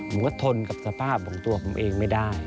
มันก็ทนกับสภาพของตัวผมเองไม่ได้